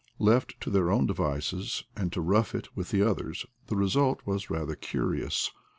Left to their own devices, and to rough it with the others, the result was rather curious.